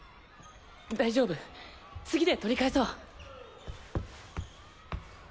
大丈夫次で取り返そう。